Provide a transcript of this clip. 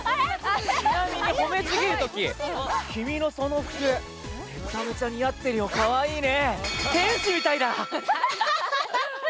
ちなみに褒めちぎるとき君のその服めちゃめちゃ似合ってるよかわいいね。